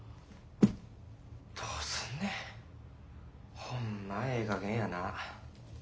どうすんねんホンマええかげんやな。